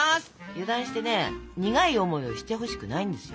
油断してね苦い思いをしてほしくないんですよ。